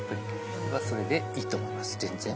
僕はそれでいいと思います、全然。